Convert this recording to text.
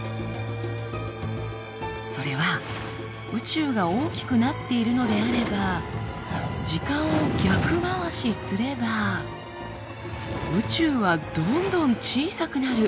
それは宇宙が大きくなっているのであれば時間を逆回しすれば宇宙はどんどん小さくなる。